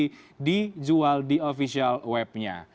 jadi dijual di official webnya